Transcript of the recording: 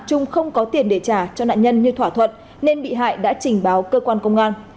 trung không có tiền để trả cho nạn nhân như thỏa thuận nên bị hại đã trình báo cơ quan công an